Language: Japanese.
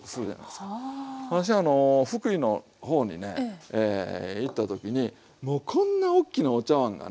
私あの福井の方にね行った時にもうこんな大きなお茶わんがね